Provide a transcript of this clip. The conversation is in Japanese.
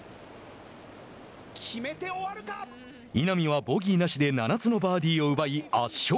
稲見はボギーなしで７つのバーディーを奪い圧勝。